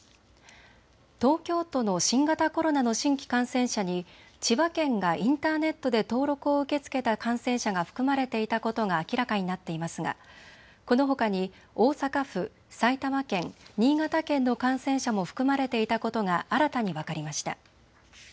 東京都の新型コロナの新規感染者に千葉県がインターネットで登録を受け付けた感染者が含まれていたことが明らかになっていますがこのほかに大阪府、埼玉県、新潟県の感染者も含まれていたことが新たに分かりました。